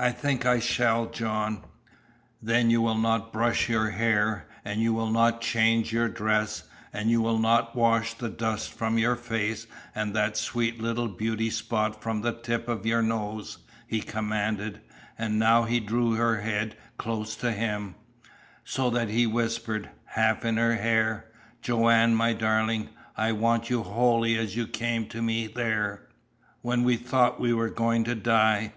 "I think that I shall, John." "Then you will not brush your hair, and you will not change your dress, and you will not wash the dust from your face and that sweet little beauty spot from the tip of your nose," he commanded, and now he drew her head close to him, so that he whispered, half in her hair: "Joanne, my darling, I want you wholly as you came to me there, when we thought we were going to die.